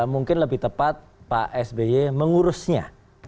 mungkin lebih tepat pak sby mengurusnya